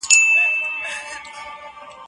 ايا ته کښېناستل کوې،